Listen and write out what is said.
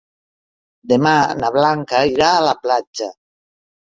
Demà na Blanca irà a la platja.